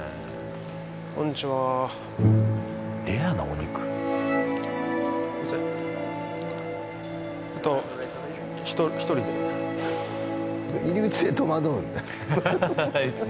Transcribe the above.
こんにちはレアなお肉えっと入り口で戸惑うんだねいつも？